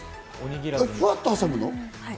ふわっと挟むの？